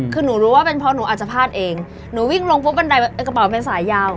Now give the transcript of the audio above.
คือหนูรู้ว่าเป็นเพราะหนูอาจจะพลาดเองหนูวิ่งลงปุ๊บบันไดกระเป๋าเป็นสายยาว